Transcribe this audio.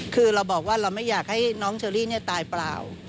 คือเราบอกว่าเราไม่อยากให้น้องเชอรี่ตายเปล่า